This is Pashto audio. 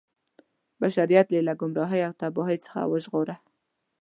بشریت یې له ګمراهۍ او تباهۍ څخه وژغوره.